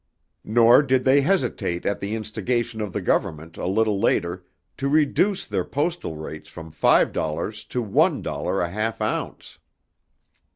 Nor did they hesitate at the instigation of the Government a little later to reduce their postal rates from five dollars to one dollar a half ounce.